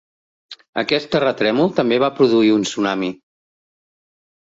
Aquest terratrèmol també va produir un tsunami.